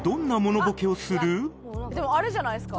でもあれじゃないですか？